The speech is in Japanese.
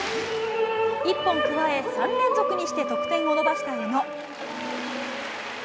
１本加え３連続にして得点を伸ばした宇野。